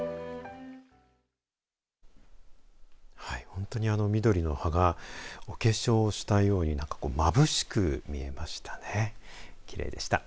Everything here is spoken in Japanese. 本当に緑の葉が、お化粧したようにまぶしく見えました。